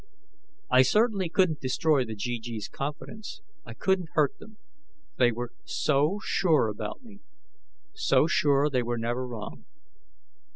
I certainly couldn't destroy the GG's confidence. I couldn't hurt them. They were so sure about me so sure they were never wrong.